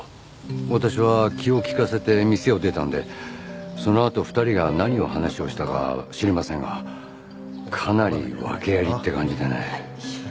私は気を利かせて店を出たんでそのあと２人が何を話をしたかは知りませんがかなり訳ありって感じでね。